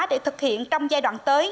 để thực hiện trong giai đoạn tới